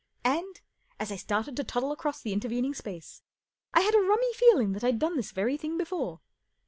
And, as I started to toddle across the intervening space, I had a rummy feeling that I'd done this very thing before.